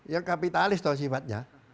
yang kapitalis sifatnya